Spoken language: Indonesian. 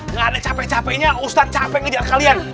nggak ada capek capeknya ustadz capek ngejar kalian